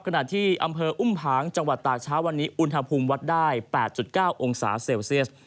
ขณะที่อำเภออุ้มผางจังหวัดตากเช้าวันนี้อุณหภูมิวัดได้๘๙องศาเซลเซียส